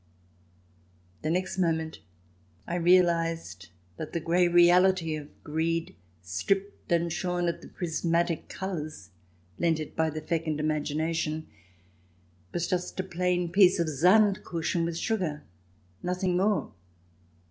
The next moment I realized that the grey reality of greed, stripped and shorn of the prismatic colours lent it by the fecund imagination, was just a plain piece of Sand Kuchen with sugar, nothing more.